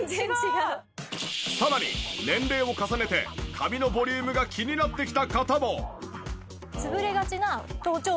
さらに年齢を重ねて髪のボリュームが気になってきた方も。